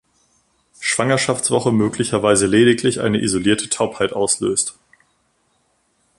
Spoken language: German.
Schwangerschaftswoche möglicherweise lediglich eine isolierte Taubheit auslöst.